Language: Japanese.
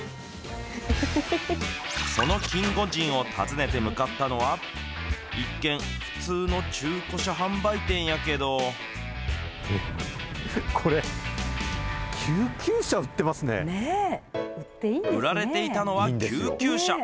そのキンゴジンを訪ねて向かったのは、一見、普通の中古車販売られていたのは救急車。